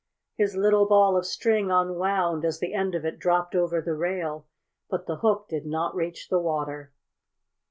His little ball of string unwound as the end of it dropped over the rail, but the hook did not reach the water.